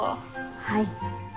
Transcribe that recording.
はい。